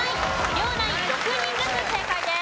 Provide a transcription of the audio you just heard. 両ナイン６人ずつ正解です。